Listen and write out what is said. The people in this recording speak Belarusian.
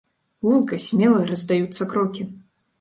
Гулка, смела раздаюцца крокі.